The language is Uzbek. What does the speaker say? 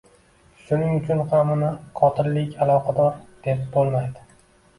Shuning uchun ham uni qotillik aloqador deb bo`lmaydi